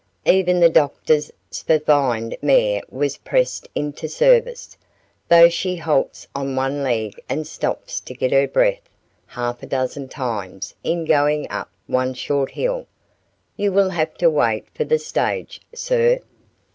Even the doctor's spavined mare was pressed into service, though she halts on one leg and stops to get her breath half a dozen times in going up one short hill. You will have to wait for the stage, sir."